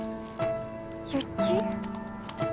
雪？